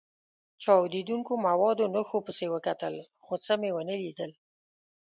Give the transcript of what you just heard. چاودېدونکو موادو نښو پسې وکتل، خو څه مې و نه لیدل.